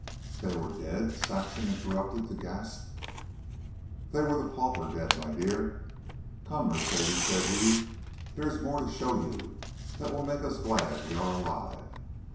"They were dead?" Saxon interrupted to gasp. "They were the pauper dead, my dear. 'Come, Mercedes,' said he. 'There is more to show you that will make us glad we are alive.'